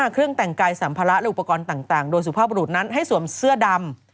เครื่องแต่งกายสัมภาระและอุปกรณ์ต่างโดยสุภาพบรุษนั้นให้สวมเสื้อดำ